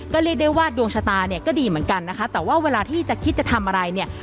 ก็เรียกได้ว่าดวงชะตาเนี่ยก็ดีเหมือนกันนะคะแต่ว่าเวลาที่จะคิดจะทำอะไรเนี่ย